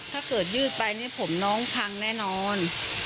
ถ้าเกิดยืดไปนี่ผมน้องพังแน่นอน